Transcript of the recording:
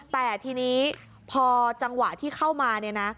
แต่ทีนี้พอจังหวะที่เข้ามา